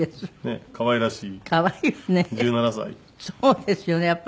そうですよね。